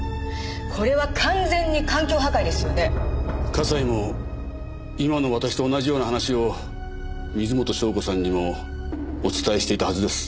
笠井も今の私と同じような話を水元湘子さんにもお伝えしていたはずです。